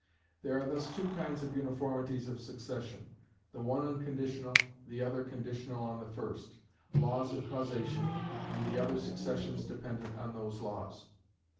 There are thus two kinds of uniformities of succession, the one unconditional, the other conditional on the first: laws of causation, and other successions dependent on those laws.